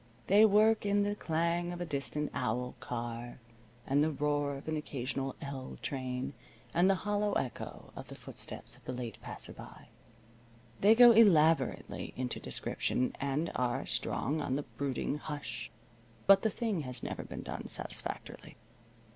They work in the clang of a distant owl car, and the roar of an occasional "L" train, and the hollow echo of the footsteps of the late passer by. They go elaborately into description, and are strong on the brooding hush, but the thing has never been done satisfactorily.